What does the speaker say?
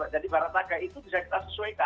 jadi barataga itu bisa kita sesuaikan